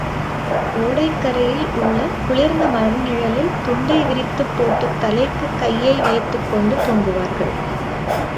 ஒடைக்கரையில் உள்ள குளிர்ந்த மரநிழலில் துண்டை விரித்துப் போட்டுத் தலைக்குக் கையை வைத்துக்கொண்டு தூங்குவார்கள்.